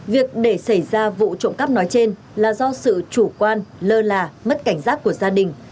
việc để xảy ra vụ trộm cắp nói trên là do sự chủ quan lơ là mất cảnh giác của gia đình